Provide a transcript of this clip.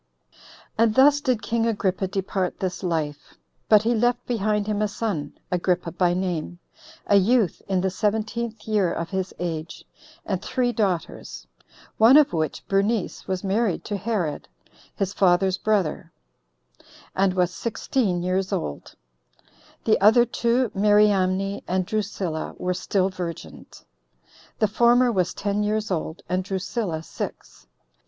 1. And thus did king Agrippa depart this life. But he left behind him a son, Agrippa by name, a youth in the seventeenth year of his age, and three daughters; one of which, Bernice, was married to Herod, his father's brother, and was sixteen years old; the other two, Mariamne and Drusilla, were still virgins; the former was ten years old, and Drusilla six.